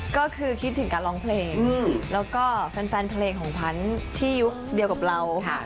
ก็คือคิดถึงการร้องเพลงแล้วก็แฟนเพลงของพันธุ์ที่ยุคเดียวกับเรา